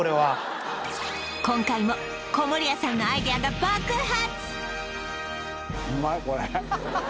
今回も籠谷さんのアイデアが爆発！